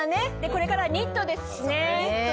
これからニットですしね。